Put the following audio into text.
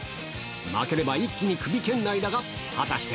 負ければ一気にクビ圏内だが、果たして。